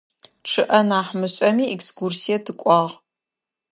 Чъыӏэ нахь мышӏэми, экскурсие тыкӏуагъ.